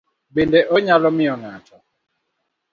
Bende onyalo miyo ng'ato